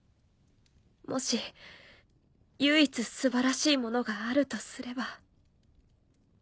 もし唯一素晴らしいものがあるとすれば。